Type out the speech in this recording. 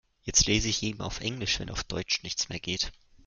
Jetzt lese ich eben auf Englisch, wenn auf Deutsch nichts mehr geht.